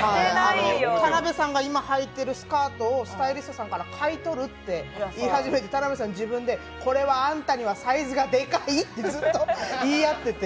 田辺さんが今はいているスカートをスタイリストさんから買い取るって言い張って田辺さん、自分で、これはあんたにはサイズがでかいって言い合ってて。